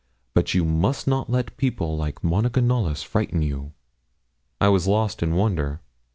But you must not let people like Monica Knollys frighten you.' I was lost in wonder.